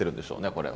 これは。